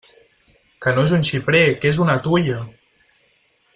Que no és un xiprer, que és una tuia!